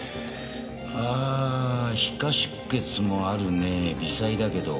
あ皮下出血もあるね微細だけど。